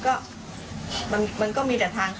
แล้วตอนนี้ศาลให้ประกันตัวออกมาแล้ว